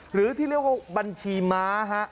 หรือที่เรียกว่าบัญชีม้าฮะ